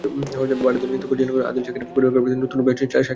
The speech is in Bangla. ভারতীয় নৃত্য পরিচালক আদিল শেখের কোরিওগ্রাফিতে নতুন রূপে আসছেন শাকিব খান।